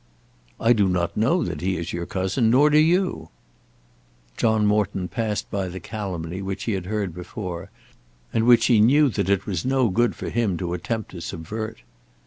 "I do not know that he is your cousin; nor do you." John Morton passed by the calumny which he had heard before, and which he knew that it was no good for him to attempt to subvert.